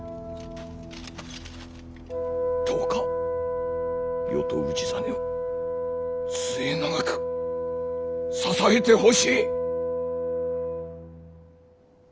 どうか余と氏真を末永く支えてほしい。